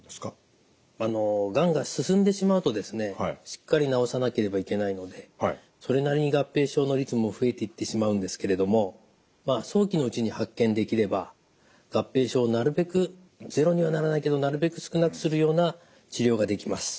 しっかり治さなければいけないのでそれなりに合併症の率も増えていってしまうんですけれどもまあ早期のうちに発見できれば合併症をなるべくゼロにはならないけどなるべく少なくするような治療ができます。